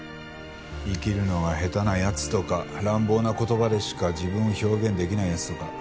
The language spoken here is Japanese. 生きるのが下手な奴とか乱暴な言葉でしか自分を表現できない奴とか。